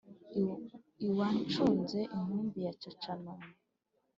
iwa ncuze-inkumbi ya caca-nombo